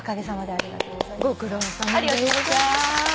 ありがとうございます。